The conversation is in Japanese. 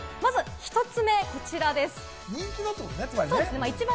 まず１つ目こちらです。